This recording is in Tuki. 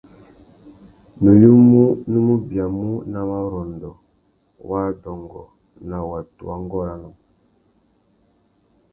Nuyumú nú mù biamú nà warrôndô wa adôngô na watu wa ngôranô.